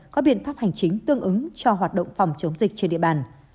có biện pháp hành chính tương ứng cho hoạt động phòng chống dịch trên địa bàn